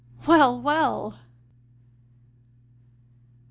Well, well! 2.